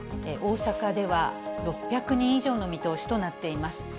大阪では６００人以上の見通しとなっています。